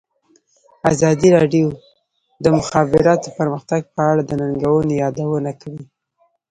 ازادي راډیو د د مخابراتو پرمختګ په اړه د ننګونو یادونه کړې.